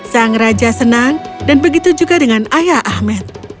sang raja senang dan begitu juga dengan ayah ahmed